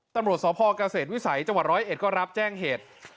ตำรวจสพเกษตรวิสัยจังหวัดร้อยเอ็ดก็รับแจ้งเหตุ